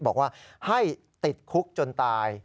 บอกว่าให้ติดคุกจนตาย